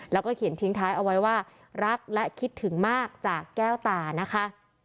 แล้วก็เขียนทิ้งท้ายเอาไว้ว่ารักและคิดถึงมากจากแก้วตานะคะ